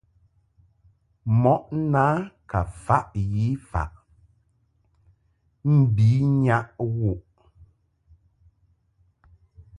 Mɔʼ na ka faʼ yi faʼ mbi nyaʼ wu ;g.